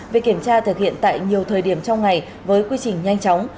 việc kiểm tra thực hiện tại nhiều thời điểm trong ngày với quy trình nhanh chóng